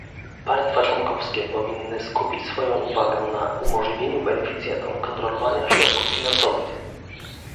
Państwa członkowskie powinny skupić swoją uwagę na umożliwieniu beneficjentom kontrolowania środków finansowych